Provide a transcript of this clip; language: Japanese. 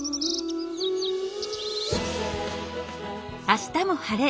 「あしたも晴れ！